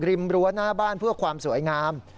รั้วหน้าบ้านเพื่อความสวยงาม